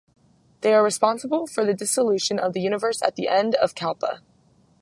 They are responsible for the dissolution of the universe at the end of Kalpa.